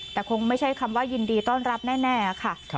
แต่คงไม่ใช่คำว่ายินดีต้อนรับแน่ค่ะ